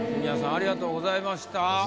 ありがとうございます。